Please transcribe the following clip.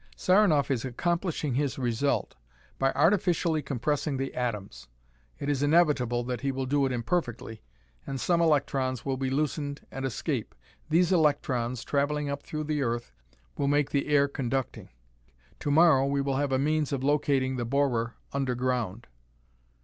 "Saranoff is accomplishing his result by artificially compressing the atoms. It is inevitable that he will do it imperfectly, and some electrons will be loosened and escape. These electrons, traveling up through the earth will make the air conducting. To morrow we will have a means of locating the borer under ground."